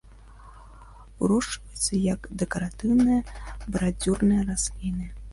Вырошчваюцца як дэкаратыўныя бардзюрныя расліны.